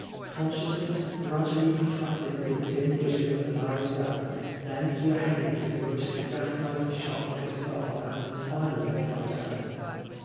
Consciousness gradually contracted to a dim vision of the narrow cell, then to a haze, in which the gaslight shone like a star, and finally died out.